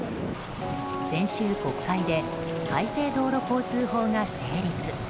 先週、国会で改正道路交通法が成立。